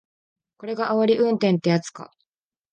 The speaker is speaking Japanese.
これがあおり運転ってやつか